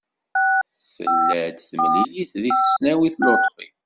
Tella-d temlilit deg tesnawit Luṭfi.